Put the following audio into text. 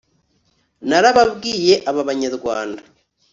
narababwiye aba banyarwanda